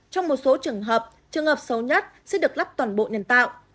trong một số trường hợp trường hợp xấu nhất sẽ được lắp toàn bộ nhân tạo